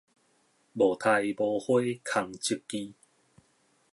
莫待無花空折枝